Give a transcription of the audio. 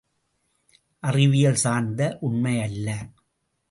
அறிவியல் சார்ந்த உண்மையல்ல.